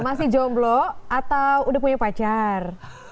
masih jomblo atau udah punya pacar